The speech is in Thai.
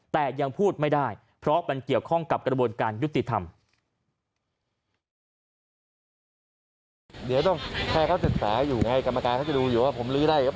แต่ยังพูดไม่ได้เพราะมันเกี่ยวข้องกับกระบวนการยุติธรรม